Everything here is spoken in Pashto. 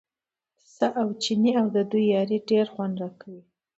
پسه او چینی او د دوی یاري ډېر خوند راکوي.